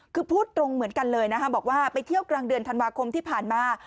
คือพูดตรงเหมือนกันเลยนะคะบอกว่าไปเที่ยวกลางเดือนธันวาคมที่ผ่านมา